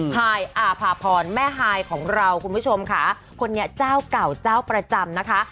ฮายอาภาพรแม่ฮายของเราคุณผู้ชมค่ะคนนี้เจ้าเก่าเจ้าประจำนะคะ